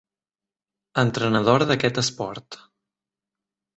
Entrenadora d'aquest esport.